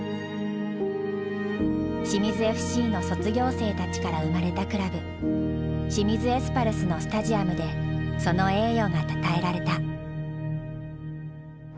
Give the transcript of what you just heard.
清水ＦＣの卒業生たちから生まれたクラブ清水エスパルスのスタジアムでその栄誉がたたえられた。